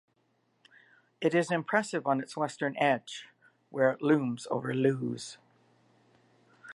It is impressive on its western edge, where it looms over Lewes.